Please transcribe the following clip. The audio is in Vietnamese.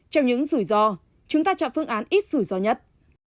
trong những rủi ro chúng ta chọn phương án ít rủi ro nhất